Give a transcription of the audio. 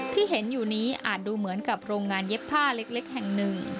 ที่เห็นอยู่นี้อาจดูเหมือนกับโรงงานเย็บผ้าเล็กแห่งหนึ่ง